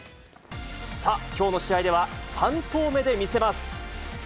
さあ、きょうの試合では、３投目で見せます。